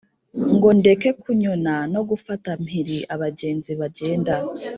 ngo ndeke kunyona no gufata mpiri abagenzi bagenda